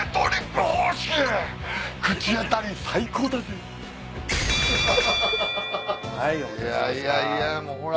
いやいやいやもうほら。